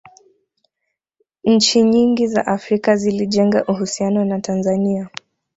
nchi nyingi za afrika zilijenga uhusiano na tanzania